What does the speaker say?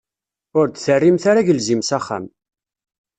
Ur d-terrimt ara agelzim s axxam.